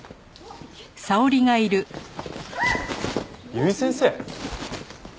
由井先生？